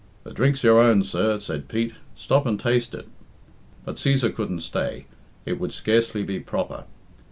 "The drink's your own, sir," said Pete; "stop and taste it." But Cæsar couldn't stay; it would scarcely be proper.